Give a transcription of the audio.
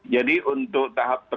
jadi untuk tahap terakhir